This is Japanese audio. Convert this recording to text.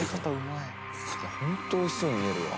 ホント美味しそうに見えるわ。